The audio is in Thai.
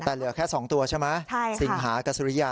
แต่เหลือแค่๒ตัวใช่ไหมสิงหากับสุริยา